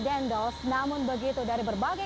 dendels namun begitu dari berbagai